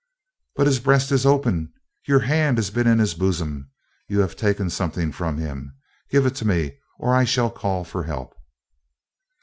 "But his breast is open. Your hand has been in his bosom. You have taken something from him. Give it to me, or I shall call for help."